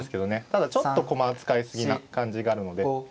ただちょっと駒使い過ぎな感じがあるので。